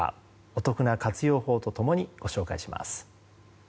お得な活用法と共にご紹介します。